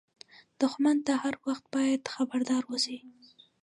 دښمن ته هر وخت باید خبردار اوسې